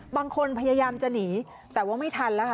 พยายามจะหนีแต่ว่าไม่ทันแล้วค่ะ